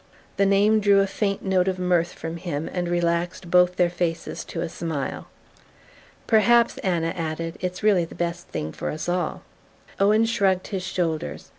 The name drew a faint note of mirth from him and relaxed both their faces to a smile. "Perhaps," Anna added, "it's really the best thing for us all." Owen shrugged his shoulders.